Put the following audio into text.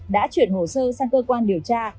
đã chuyển hồ sơ sang cơ quan điều tra